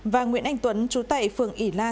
và nguyễn anh tuấn chú tại phường ỉ lan